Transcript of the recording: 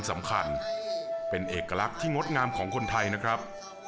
สำคัญเป็นเอกลักษณ์ที่งดงามของคนไทยนะครับ